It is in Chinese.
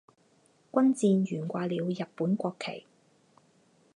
军舰悬挂了日本国旗。